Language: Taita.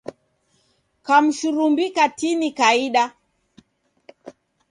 Kamshurumbi katini kaida.